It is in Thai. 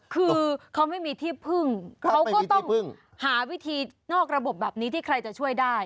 คือเขาไม่มีที่พึ่งเขาก็ต้องหาวิธีนอกระบบแบบนี้ที่ใครจะช่วยได้